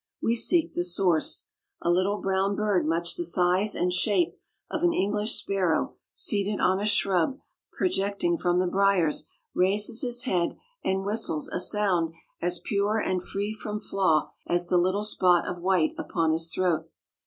We seek the source. A little brown bird much the size and shape of an English sparrow seated on a shrub projecting from the briars raises his head and whistles a sound as pure and free from flaw as the little spot of white upon his throat.